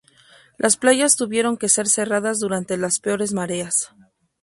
Las playas tuvieron que ser cerradas durante las peores mareas.